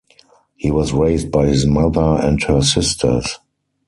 He was raised by his mother and her sisters.